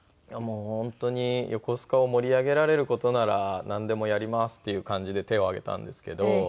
本当に横須賀を盛り上げられる事ならなんでもやりますっていう感じで手を挙げたんですけど。